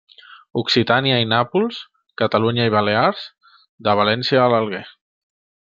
Occitània i Nàpols, Catalunya i Balears, de València a l’Alguer.